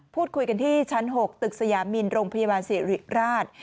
พูดคุยกันที่ชั้น๖ตึกสยามินโรงพยาบาลสิริราช